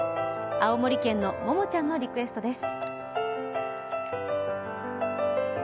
青森県のももちゃんのリクエストです。